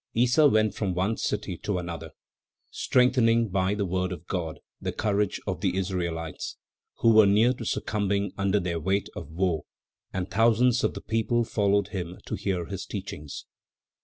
Issa went from one city to another, strengthening by the word of God the courage of the Israelites, who were near to succumbing under their weight of woe, and thousands of the people followed him to hear his teachings.